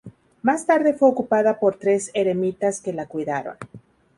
Más tarde fue ocupada por tres eremitas que la cuidaron.